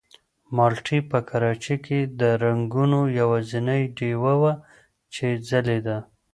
مالټې په کراچۍ کې د رنګونو یوازینۍ ډېوه وه چې ځلېده.